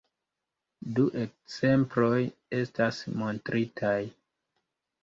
Du ekzemploj estas montritaj.